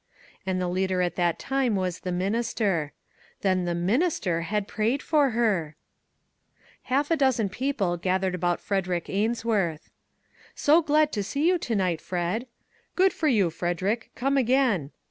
And the leader at that time was the minister; then the minister had prayed for her ! Half a dozen people gathered about Fred erick Ainsworth. " So glad to see you to night, Fred!" "Good for you, Frederick! come again."